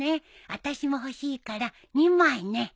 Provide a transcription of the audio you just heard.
あたしも欲しいから２枚ね。